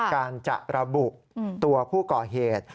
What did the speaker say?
การจะระบุตัวผู้ก่อเหตุ